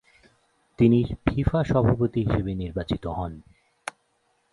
তিনি ফিফা সভাপতি হিসেবে নির্বাচিত হন।